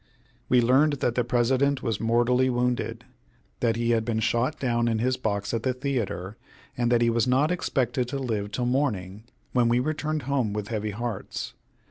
We learned that the President was mortally wounded that he had been shot down in his box at the theatre, and that he was not expected to live till morning; when we returned home with heavy hearts.